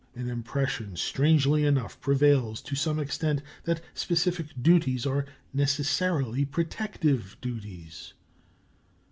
An impression strangely enough prevails to some extent that specific duties are necessarily protective duties.